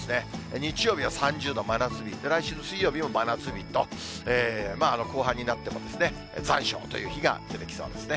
日曜日は３０度、真夏日、来週の水曜日も真夏日と、後半になっても、残暑という日が出てきそうですね。